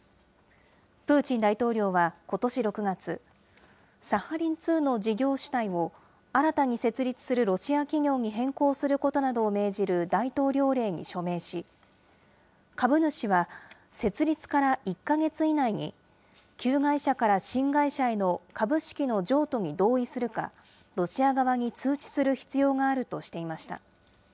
プーチン大統領はことし６月、サハリン２の事業主体を新たに設立するロシア企業に変更することなどを命じる大統領令に署名し、株主は設立から１か月以内に、旧会社から新会社への株式の譲渡に同意するか、ロシア側に通知する必要があるとしていました。